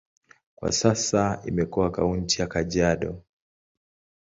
Kwa sasa imekuwa kaunti ya Kajiado.